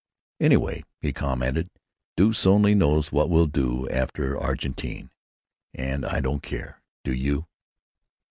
"Anyway," he commented, "deuce only knows what we'll do after Argentine, and I don't care. Do you?"